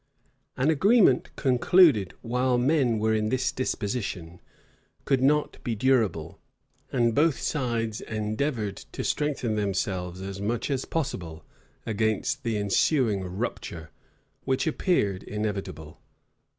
[*] An agreement concluded while men were in this disposition, could not be durable; and both sides endeavored to strengthen themselves as much as possible against the ensuing rupture, which appeared inevitable.